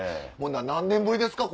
何年ぶりですか？